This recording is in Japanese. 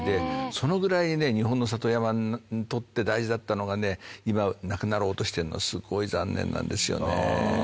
そのぐらい日本の里山にとって大事だったのがね今なくなろうとしてんのすごい残念なんですよね。